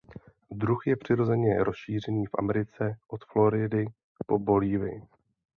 Druh je přirozeně rozšířený v Americe od Floridy po Bolívii.